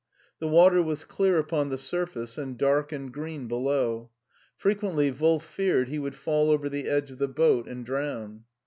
The water was clear upon the surface and dark and green below. Frequently Wolf feared he would fall over the edge of the boat and drown.